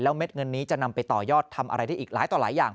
เม็ดเงินนี้จะนำไปต่อยอดทำอะไรได้อีกหลายต่อหลายอย่าง